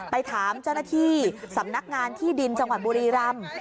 ไปถามเจ้าหน้าที่สำนักงานที่ดินจังหวัดบุรีรำ